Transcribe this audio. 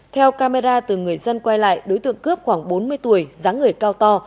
theo camera từ người dân quay lại đối tượng cướp khoảng bốn mươi tuổi giá người cao to